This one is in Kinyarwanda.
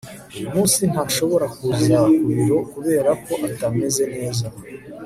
uyu munsi ntashobora kuza ku biro kubera ko atameze neza